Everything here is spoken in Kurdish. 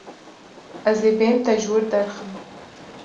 Ez ê bêm te ji wir derxim.